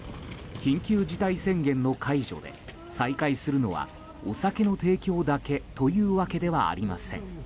緊急事態宣言の解除で再開するのはお酒の提供だけというわけではありません。